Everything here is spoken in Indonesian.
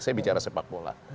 saya bicara sepak bola